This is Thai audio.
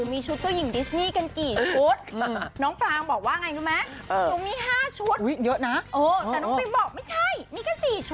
มันก็แค่๔ชุด